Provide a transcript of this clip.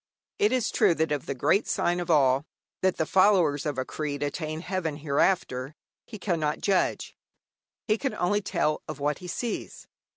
It is true that of the great sign of all, that the followers of a creed attain heaven hereafter, he cannot judge. He can only tell of what he sees.